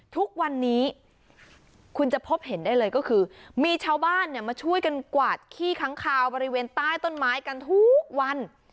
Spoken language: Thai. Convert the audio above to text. ทุกวันนี้คุณจะพบเห็นได้เลยก็คือมีชาวบ้านมาช่วยกันกวาดขี้ค้างคาวบริเวณใต้ต้นไม้กันทุกวัน